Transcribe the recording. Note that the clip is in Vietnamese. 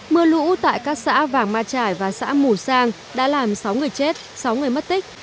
mưa lũ tại các xã vàng ma trải và xã mù sang đã làm sáu người chết sáu người mất tích